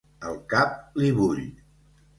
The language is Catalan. El cap li bull.